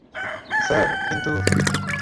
Sir, কিন্তু।